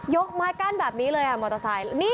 กไม้กั้นแบบนี้เลยมอเตอร์ไซค์